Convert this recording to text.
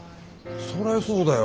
そりゃそうだよ。